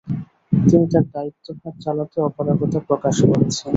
তিনি আর দায়িত্বভার চালাতে অপারগতা প্রকাশ করেছেন।